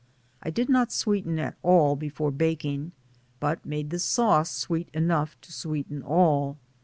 I did not sweeten at all before baking, but made the sauce sweet enough to sweeten all.